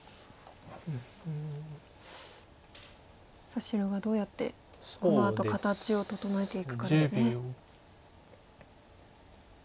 さあ白がどうやってこのあと形を整えていくかですね。